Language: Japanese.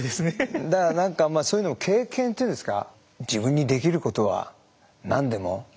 だから何かそういうのを経験っていうんですか。